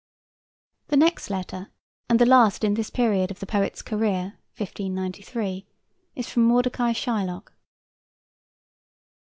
The next letter, and the last in this period of the poet's career (1593), is from Mordecai Shylock.